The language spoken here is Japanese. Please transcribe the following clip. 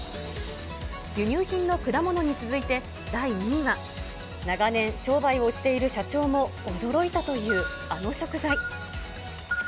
輸入品の果物に続いて、第２位は、長年、商売をしている社長も驚いたというあの食材。